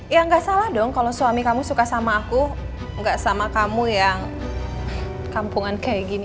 ya nggak salah dong kalau suami kamu suka sama aku gak sama kamu yang kampungan kayak gini